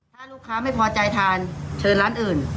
ถ้าลูกค้าไม่พอใจทานเชิญร้านอื่น